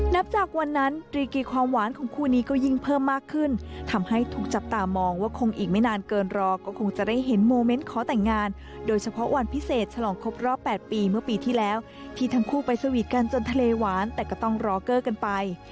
นับจากวันนั้นตรีกีความหวานของคู่นี้ก็ยิ่งเพิ่มมากขึ้นทำให้ถูกจับตามองว่าคงอีกไม่นานเกินรอก็คงจะได้เห็นโมเมนต์ขอแต่งงานโดยเฉพาะวันพิเศษฉลองครบรอบ๘ปีเมื่อปีที่แล้วที่ทั้งคู่ไปสวีทกันจนทะเลหวานแต่ก็ต้องรอเกอร์กันไป